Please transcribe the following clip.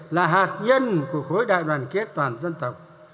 là hạt nhân của khối đại đoàn kết toàn dân tộc